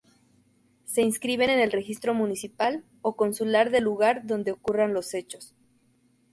Se inscriben en el registro municipal o consular del lugar donde ocurran los hechos.